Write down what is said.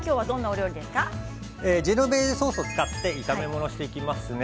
ジェノベーゼソースを使って、炒め物をしていきます。